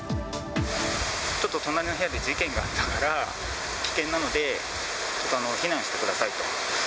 ちょっと隣の部屋で事件があったから、危険なので、避難してくださいと。